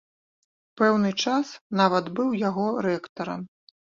Пэўны час нават быў яго рэктарам.